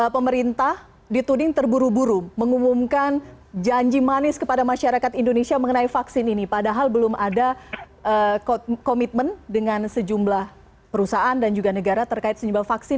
pemerintah dituding terburu buru mengumumkan janji manis kepada masyarakat indonesia mengenai vaksin ini padahal belum ada komitmen dengan sejumlah perusahaan dan juga negara terkait sejumlah vaksin